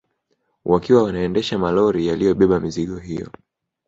Wakiwa wanaendesha malori yaliyobeba mizigo hiyo